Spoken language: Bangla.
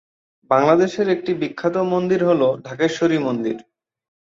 বাংলাদেশের একটি বিখ্যাত মন্দির হল ঢাকেশ্বরী মন্দির।